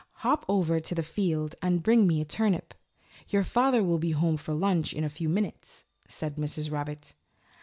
"Hop over to the field and bring me a turnip. Your father will be home for lunch in a few minutes," said Mrs. Rabbit.